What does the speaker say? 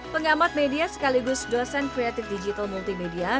pengamat media sekaligus dosen kreatif digital multimedia